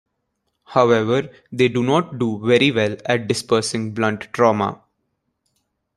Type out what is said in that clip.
However, they do not do very well at dispersing blunt trauma.